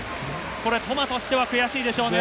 これ、トマとしては悔しいでしょうね。